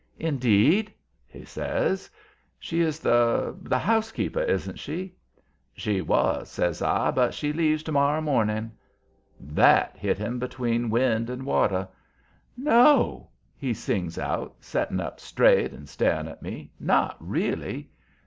"Indeed?" he says. "She is the the housekeeper, isn't she?" "She was," says I, "but she leaves to morrer morning." THAT hit him between wind and water. "No?" he sings out, setting up straight and staring at me. "Not really?"